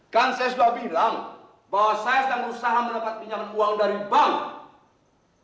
kan saya sudah bilang bahwa saya sedang berusaha mendapat pinjaman uang dari bank